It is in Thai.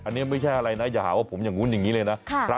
อันนี้ไม่ใช่อะไรนะอย่าหาว่าผมอย่างนู้นอย่างนี้เลยนะ